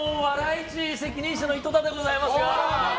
市責任者の井戸田でございます。